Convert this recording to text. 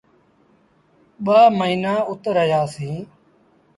ٻآ موهيݩآن اُت رهيآ سيٚݩ۔